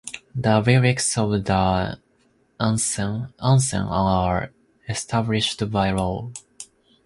The lyrics of the anthem are established by law.